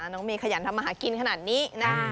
น้องเมยขยันทำมาหากินขนาดนี้นะ